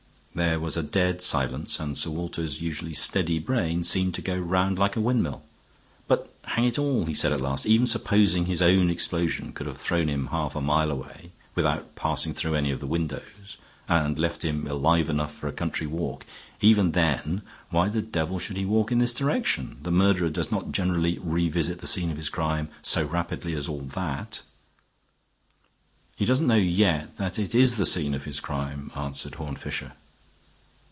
There was a dead silence, and Sir Walter's usually steady brain seemed to go round like a windmill. "But, hang it all!" he said at last, "even supposing his own explosion could have thrown him half a mile away, without passing through any of the windows, and left him alive enough for a country walk even then, why the devil should he walk in this direction? The murderer does not generally revisit the scene of his crime so rapidly as all that." "He doesn't know yet that it is the scene of his crime," answered Horne Fisher.